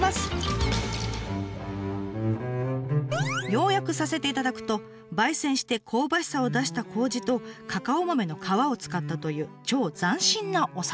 要約させていただくと焙煎して香ばしさを出した麹とカカオ豆の皮を使ったという超斬新なお酒。